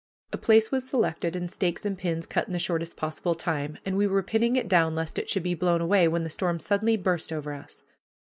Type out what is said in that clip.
A place was selected and stakes and pins cut in the shortest possible time, and we were pinning it down lest it should be blown away, when the storm suddenly burst over us.